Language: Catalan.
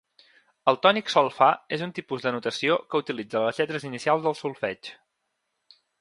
El tònic sol-fa és un tipus de notació que utilitza les lletres inicials del solfeig.